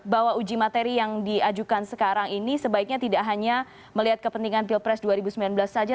bahwa uji materi yang diajukan sekarang ini sebaiknya tidak hanya melihat kepentingan pilpres dua ribu sembilan belas saja